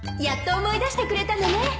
やっと思い出してくれたのね